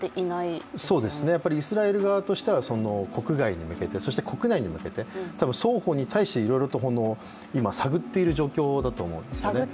そうですね、やっぱりイスラエル側としては国外に向けて、そして国内に向けて、双方に対していろいろと今探っている状況だと思うんですね